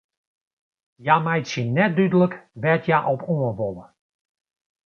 Hja meitsje net dúdlik wêr't hja op oan wolle.